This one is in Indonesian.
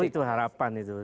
itu sikap politik